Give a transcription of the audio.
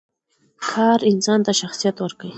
کار انسان ته شخصیت ورکوي.